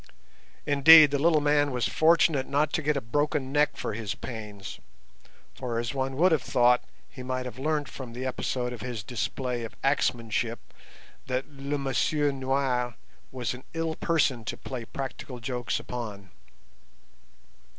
Indeed, the little man was fortunate not to get a broken neck for his pains; for, as one would have thought, he might have learnt from the episode of his display of axemanship that "le Monsieur noir" was an ill person to play practical jokes upon.